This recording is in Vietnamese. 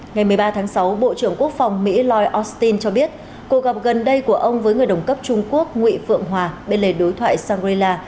ngày một mươi ba tháng sáu bộ trưởng quốc phòng mỹ lloyd austin cho biết cuộc gặp gần đây của ông với người đồng cấp trung quốc nguyễn phượng hòa bên lề đối thoại shangri la